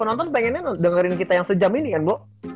penonton pengennya dengerin kita yang sejam ini kan bu